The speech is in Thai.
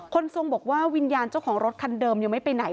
ทรงบอกว่าวิญญาณเจ้าของรถคันเดิมยังไม่ไปไหน